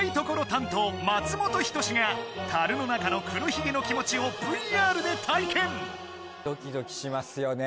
担当松本人志が樽の中の黒ひげの気持ちをＶＲで体験ドキドキしますよね